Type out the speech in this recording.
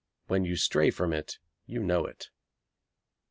When you stray from it you know it.